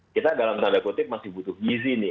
kita dalam tanda kutip masih butuh gizi nih